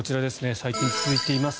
最近続いています。